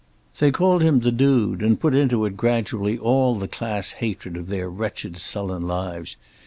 They called him the "Dude," and put into it gradually all the class hatred of their wretched sullen lives.